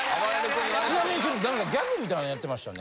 ちなみにちょっと何かギャグみたいのやってましたね。